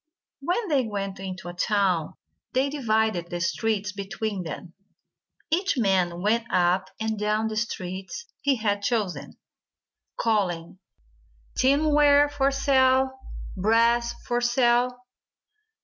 When they went into a town, they divided the streets between them. Each man went up and down the streets he had chosen, calling, "Tinware for sale. Brass for sale."